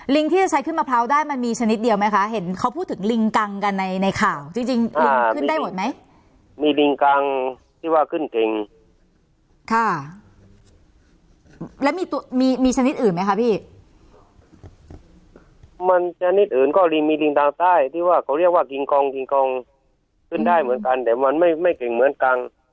ที่จะใช้ขึ้นมะพร้าวได้มันมีชนิดเดียวไหมคะเห็นเขาพูดถึงลิงกังกันในในข่าวจริงจริงลิงขึ้นได้หมดไหมมีลิงกังที่ว่าขึ้นเก่งค่ะแล้วมีตัวมีมีชนิดอื่นไหมคะพี่มันชนิดอื่นก็ลิงมีลิงทางใต้ที่ว่าเขาเรียกว่ากิงกองกิงกองขึ้นได้เหมือนกันแต่มันไม่ไม่เก่งเหมือนกัง